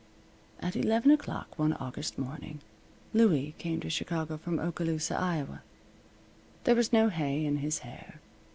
At eleven o'clock one August morning, Louie came to Chicago from Oskaloosa, Iowa. There was no hay in his hair.